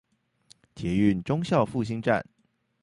捷運忠孝復興站